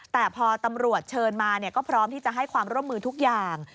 แต่พอตำรวจเชิญมาก็พร้อมที่จะให้ความร่วมมือทุกอย่าง